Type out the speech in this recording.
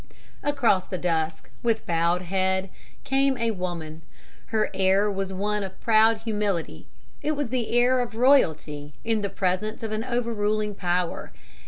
Across the dusk, with bowed head, came a woman. Her air was one of proud humility. It was the air of royalty in the presence of an overruling power.